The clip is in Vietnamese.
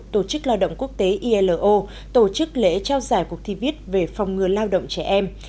tổ chức lao động quốc tế ilo tổ chức lễ trao giải cuộc thi viết về phòng ngừa lao động trẻ em